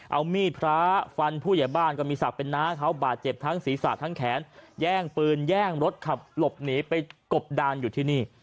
เอามีดพระฟันผู้ใหญ่บ้านก็มีศักดิ์เป็นน้าเขาบาดเจ็บทั้งศีรษะทั้งแขนแย่งปืนแย่งรถขับหลบหนีไปกบดานอยู่ที่นี่